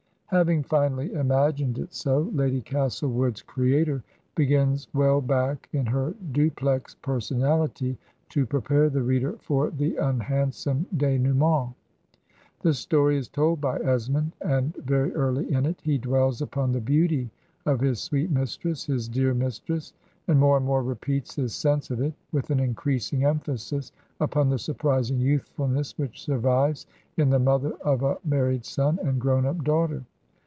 Having finally imagined it so. Lady Castlewood's creator begins well back in her duplex personality to prepare the reader for the unhandsome denouement. The story is told by Esmond, and very early in it he dwells upon the beauty of his "sweet mistress," his "dear mistress," and more and more repeats his sense of it, with an increasing emphasis upon the surprising youthfulness which survives in the mother of a mar ried son and grown up daughter.